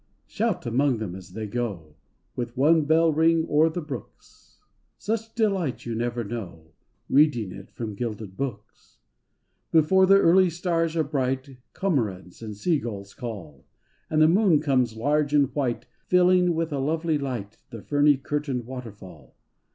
Shout among them as they go With one bell ring o'er the brooks. i88 THE HOMECOMING OF THE SHEEP 189 Such delight you never know Reading it from gilded books. Before the early stars are bright Cormorants and sea gulls call, And the moon comes large and white Filling with a lovely light The ferny curtained waterfall.